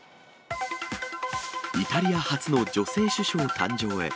イタリア初の女性首相誕生へ。